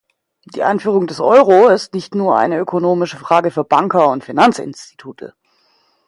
Die Einführung des Euro ist nicht nur eine ökonomische Frage für Banker und Finanzinstitute.